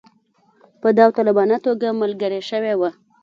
په داوطلبانه توګه ملګري شوي وه.